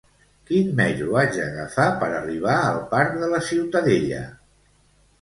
Quin metro haig d'agafar per arribar al Parc de la Ciutadella?